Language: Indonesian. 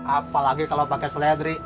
apalagi kalau pake seledri